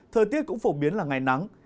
thời tiết cũng phổ biến là ngày nắng